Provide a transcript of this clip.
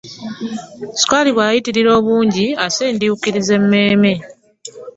Ssukaali bwayitirira obungi asindukiriza emmeme.